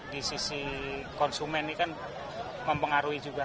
di sisi konsumen ini kan mempengaruhi juga